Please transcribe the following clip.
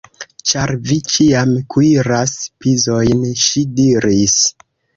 Ĉar vi ĉiam kuiras pizojn, ŝi diris.